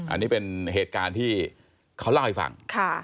อันนี้เป็นเหตุการณ์ที่เขาเล่าให้ฟัง